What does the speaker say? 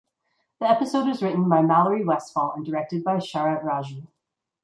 The episode was written by Mallory Westfall and directed by Sharat Raju.